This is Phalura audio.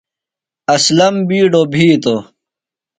اسلم بِیڈوۡ بِھیتوۡ ۔